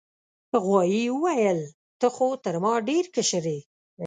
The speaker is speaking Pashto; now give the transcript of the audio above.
غوايي وویل ته خو تر ما ډیر کشر یې.